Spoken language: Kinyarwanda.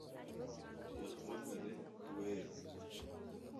tuyahamagare uwera